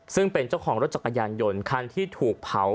ซึ่งเป็นเจ้าของรถจักรยานยนต์คันที่ถูกเผา